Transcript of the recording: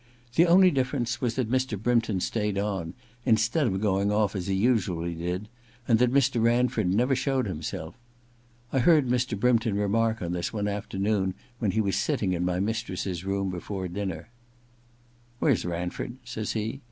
The only difFerence was that Mr. Brympton stayed on, instead of going off as he usually did, and that Mr. Ranford never showed himself. I heard Mr. Brympton remark on this one afternoon when he was sitting in my mistress's room before dinner. * Where's Ranford ?* says he.